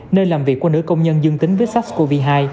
nơi làm việc của nữ công nhân dương tính với sars cov hai